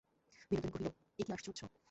বিনোদিনী কহিল, এ কী আশ্চর্য।